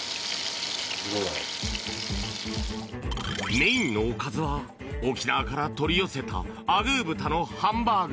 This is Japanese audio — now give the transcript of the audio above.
メインのおかずは沖縄から取り寄せたアグー豚のハンバーグ。